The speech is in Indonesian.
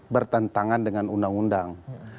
bertentangan dengan undang undang